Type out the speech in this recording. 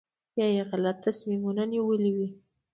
یا یې غلط تصمیمونه نیولي وي.